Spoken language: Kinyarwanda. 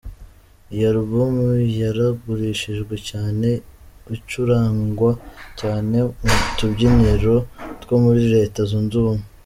Iyi album yaragurishijwe cyane, icurangwa cyane mu tubyiniro two muri Reta zunze ubumwe.